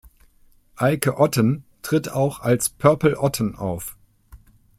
Eike Otten tritt auch als Purple Otten auf.